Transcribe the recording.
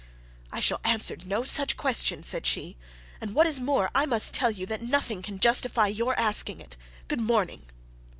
'I shall answer no such question,' said she; 'and what is more, I must tell you that nothing can justify your asking it. Good morning!'